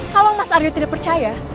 kalau mas arjo tidak percaya